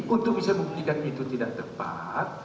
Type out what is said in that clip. untuk bisa membuktikan itu tidak tepat